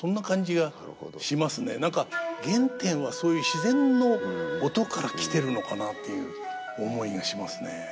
何か原点はそういう自然の音から来てるのかなっていう思いがしますね。